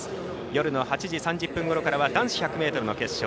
夜の８時３０分ごろからは男子１００ｍの決勝。